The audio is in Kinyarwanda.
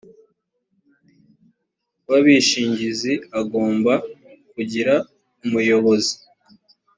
w abishingizi agomba kugira umuyobozi